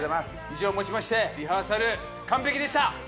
以上を持ちましてリハーサル完璧でした。